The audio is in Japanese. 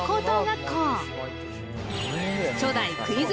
初代クイズ